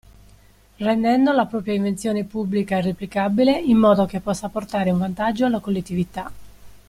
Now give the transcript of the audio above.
Rendendo la propria invenzione pubblica e replicabile in modo che possa portare un vantaggio alla collettività.